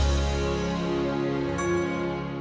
sama aja bapak anak